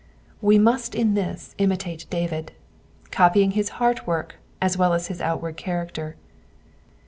Wo must in this imitate David, copying his heart work as well as his outward character.